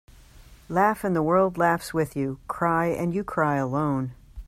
Laugh and the world laughs with you. Cry and you cry alone.